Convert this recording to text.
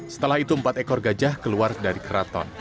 setelah itu empat ekor gajah keluar dari keraton